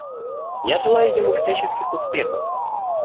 Я желаю ему всяческих успехов.